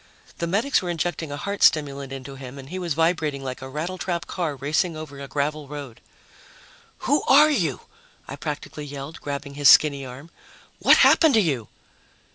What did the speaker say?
The medics were injecting a heart stimulant into him and he was vibrating like a rattletrap car racing over a gravel road. "Who are you?" I practically yelled, grabbing his skinny arm. "What happened to you?"